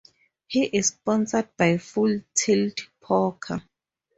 He is sponsored by Full Tilt Poker.